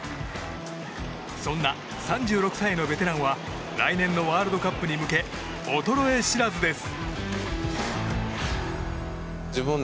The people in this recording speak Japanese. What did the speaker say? そんな３６歳のベテランは来年のワールドカップに向け衰え知らずです。